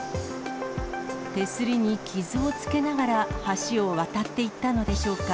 手すりに傷をつけながら橋を渡っていったのでしょうか。